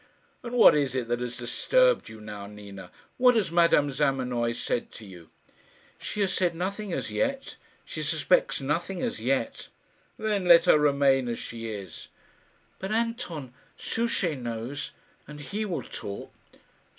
"And what is it that has disturbed you now, Nina? What has Madame Zamenoy said to you?" "She has said nothing as yet. She suspects nothing as yet." "Then let her remain as she is." "But, Anton, Souchey knows, and he will talk."